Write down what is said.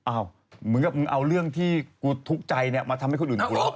อ้าวมึงกับมึงเอาเรื่องที่กูทุกข์ใจเนี่ยมาทำให้คนอื่นทุกข์หลอกเหรอ